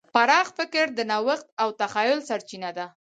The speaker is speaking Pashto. پراخ فکر د نوښت او تخیل سرچینه ده.